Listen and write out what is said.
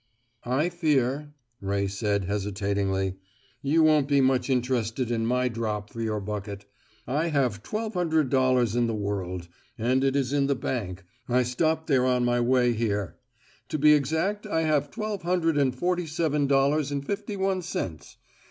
"I fear," Ray said hesitatingly, "you won't be much interested in my drop for your bucket. I have twelve hundred dollars in the world; and it is in the bank I stopped there on my way here. To be exact, I have twelve hundred and forty seven dollars and fifty one cents.